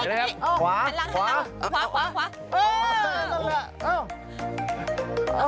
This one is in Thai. ตัวต้นบินของคุณน่ะ